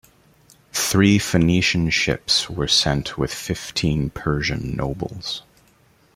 Three Phoenician ships were sent with fifteen Persian nobles.